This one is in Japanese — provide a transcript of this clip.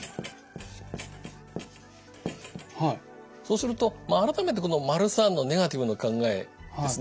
そうすると改めてこの③の「ネガティブな考え」ですね